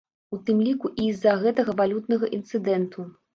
У тым ліку і з-за гэтага валютнага інцыдэнту.